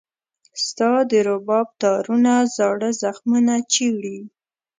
ستا د رباب تارونه زاړه زخمونه چېړي.